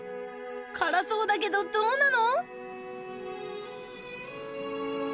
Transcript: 辛そうだけどどうなの？